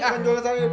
jangan jualan saya